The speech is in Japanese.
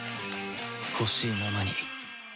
ほしいままに